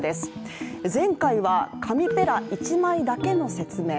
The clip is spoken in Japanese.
前回は紙ペラ１枚だけの説明。